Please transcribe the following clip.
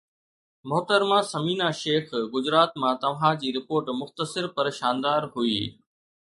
محترمه ثمينه شيخ گجرات مان توهان جي رپورٽ مختصر پر شاندار هئي